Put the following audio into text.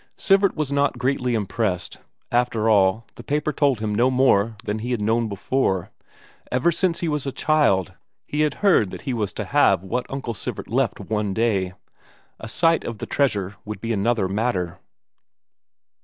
Sivert was not greatly impressed; after all, the paper told him no more than he had known before; ever since he was a child he had heard say that he was to have what Uncle Sivert left one day. A sight of the treasure would be another matter.